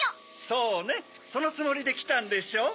そうねそのつもりできたんでしょう？